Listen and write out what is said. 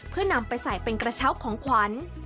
เพื่อนำไปใส่เป็นกระเช้าของขวัญ